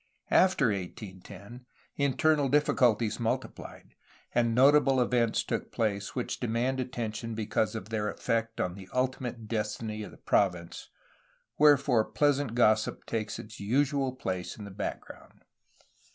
After 1810 internal difficulties multiplied, and notable events took place which demand attention because of their effect on the ultimate destiny of the province, wherefore pleasant gossip takes its usual place in the background.